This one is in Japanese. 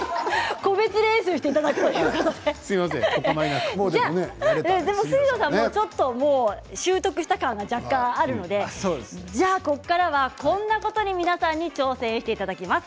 個別練習していただくということででも杉野さん習得した感が若干あるのでここからは、こんなことに皆さん挑戦していただきます。